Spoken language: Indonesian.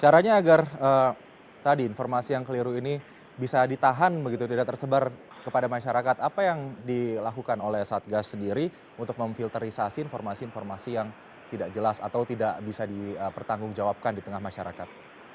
caranya agar tadi informasi yang keliru ini bisa ditahan begitu tidak tersebar kepada masyarakat apa yang dilakukan oleh satgas sendiri untuk memfilterisasi informasi informasi yang tidak jelas atau tidak bisa dipertanggungjawabkan di tengah masyarakat